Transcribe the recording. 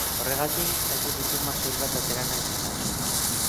Horregatik, ez du bilduma soil bat atera nahi izan.